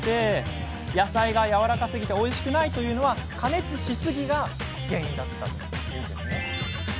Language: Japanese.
野菜がやわらかすぎておいしくないというのは加熱しすぎが原因だったんです。